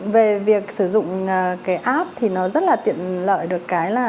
về việc sử dụng cái app thì nó rất là tiện lợi được cái là